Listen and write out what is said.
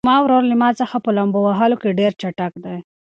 زما ورور له ما څخه په لامبو وهلو کې ډېر چټک دی.